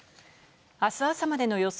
あす朝までの予想